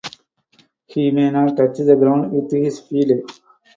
He may not touch the ground with his feet.